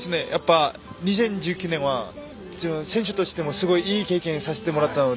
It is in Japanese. ２０１９年は選手としてもすごくいい経験をさせてもらったので。